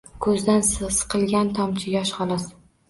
Ko’zidan silqigan tomchi yosh, xolos.